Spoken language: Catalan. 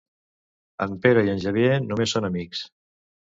En Pere i en Xavier només són amics.